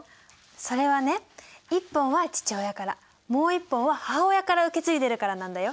それはね一本は父親からもう一本は母親から受け継いでるからなんだよ。